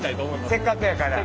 せっかくやから。